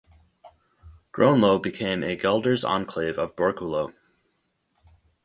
Groenlo became a Guelders enclave of Borculo.